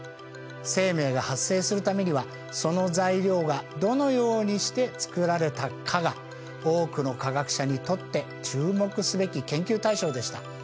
生命が発生するためにはその材料がどのようにしてつくられたかが多くの科学者にとって注目すべき研究対象でした。